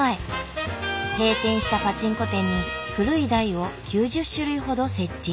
閉店したパチンコ店に古い台を９０種類ほど設置。